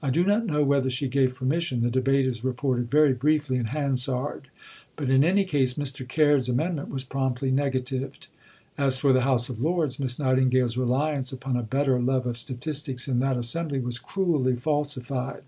I do not know whether she gave permission; the debate is reported very briefly in Hansard. But in any case Mr. Caird's amendment was promptly negatived. As for the House of Lords, Miss Nightingale's reliance upon a better love of statistics in that assembly was cruelly falsified.